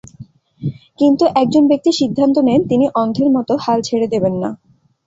কিন্তু একজন ব্যক্তি সিদ্ধান্ত নেন, তিনি অন্ধের মতো হাল ছেড়ে দেবেন না।